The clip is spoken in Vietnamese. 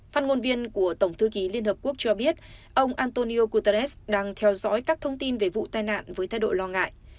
phát ngôn viên của tổng thư ký liên hợp quốc cho biết ông antonio guterres đang theo dõi các thông tin về vụ tai nạn với thái độ lo ngại